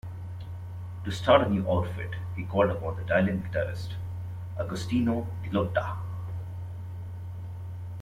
To start a new outfit he called upon the Italian guitarist Agostino Tilotta.